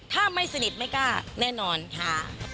ถ้าไม่สนิทไม่กล้าแน่นอนค่ะ